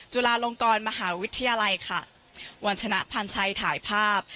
จุฬาลงกรมหาวิทยาลัยค่ะวันชนะพันธ์ชัยถ่ายภาพ